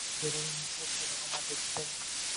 যে রকম ইচ্ছা সে রকম আদেশ দেন।